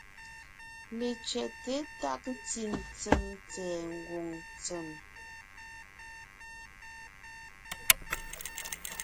Letsẅɛ́te tág ntí ntsèm tsɛ̀ɛ ngwòŋ ntsèm,